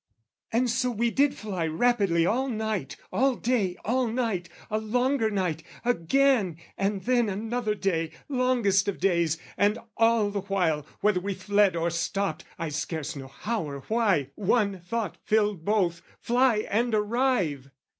"And so we did fly rapidly all night, "All day, all night a longer night again, "And then another day, longest of days, "And all the while, whether we fled or stopped, "I scarce know how or why, one thought filled both, "'Fly and arrive!'